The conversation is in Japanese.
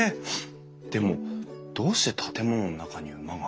でもどうして建物の中に馬が？